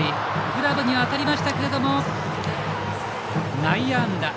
グラブには当たりましたけども内野安打。